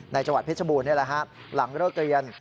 ในจังหวัดพฤษบูรณ์หลังรถเกรียญ